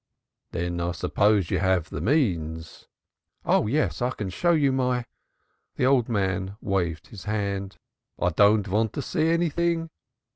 "Then I suppose you have the means?" "Oh yes, I can show you my " The old man waved his hand. "I don't want to see anything.